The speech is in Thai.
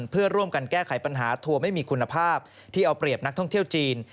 เพื่อร่วมกันแก้ไขปัญหาทัวร์ไม่มีคุณภาพที่เอาเปรียบนักท่องเที่ยวจีน